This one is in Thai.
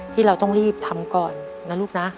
ที่เราต้องรีบทำก่อนนะลูกนะ